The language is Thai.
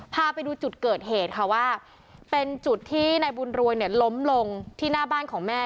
พาไปดูจุดเกิดเหตุค่ะว่าเป็นจุดที่นายบุญรวยเนี่ยล้มลงที่หน้าบ้านของแม่